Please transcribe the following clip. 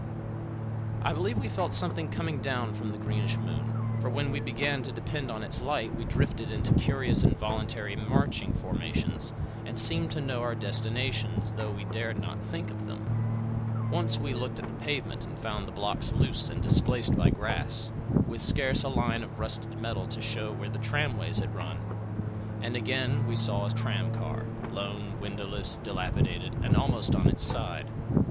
I believe we felt something coming down from the greenish moon, for when we began to depend on its light we drifted into curious involuntary formations and seemed to know our destinations though we dared not think of them. Once we looked at the pavement and found the blocks loose and displaced by grass, with scarce a line of rusted metal to shew where the tramways had run. And again we saw a tram car, lone, windowless, dilapidated, and almost on its side.